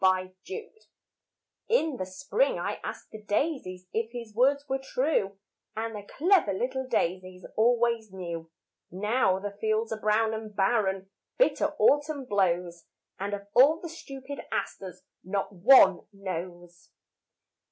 Wild Asters In the spring I asked the daisies If his words were true, And the clever little daisies Always knew. Now the fields are brown and barren, Bitter autumn blows, And of all the stupid asters Not one knows.